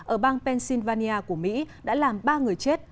ở bang pennsylvania của mỹ đã làm ba người chết